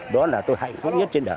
đó là tôi hạnh phúc nhất trên đời